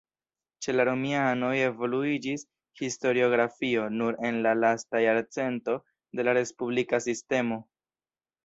Ĉe la romianoj evoluiĝis historiografio nur en la lasta jarcento de la respublika sistemo.